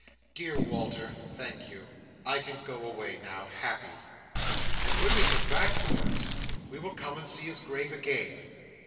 "Dear Walter, thank you! I can go away, now, happy." "And when we come back, Florence, we will come and see his grave again."